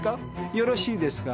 よろしいですか？